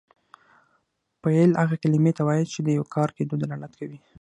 فعل هغې کلمې ته وایي چې د یو کار کیدو دلالت کوي.